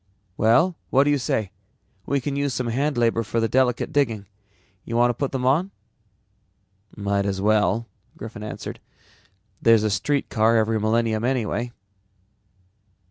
"Well, what do you say? We can use some hand labor for the delicate digging. Want to put them on?" "Might as well." Griffin answered. "There's a streetcar every millennium anyway."